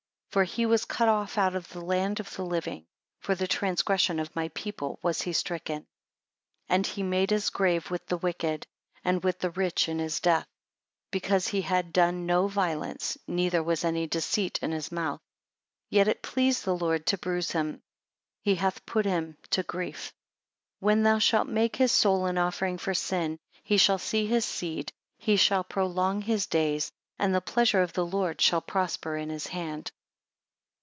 For he was cut off out of the land of the living: for the transgression of my people was he stricken. 11 And he made his grave with the wicked, and with the rich in his death; because he had done no violence, neither was any deceit in his mouth. 12 Yet it pleased the Lord to bruise him; he hath put him to grief: when thou shalt make his soul an offering for sin, he shall see his seed, he shall prolong his days, and the pleasure of the Lord shall prosper in his hand.